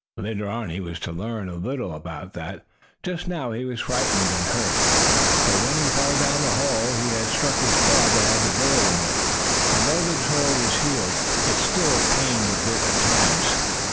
Later on he was to learn a little about that. Just now he was frightened and hurt, for when he fell down the hole he had struck his paw that had the bullet in it, and, though the sore was healed, it still pained a bit at times.